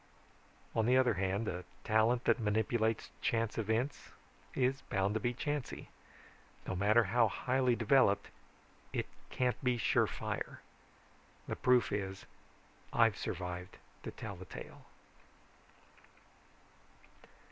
"On the other hand, a talent that manipulates chance events is bound to be chancy. No matter how highly developed it can't be surefire. The proof is that I've survived to tell the tale."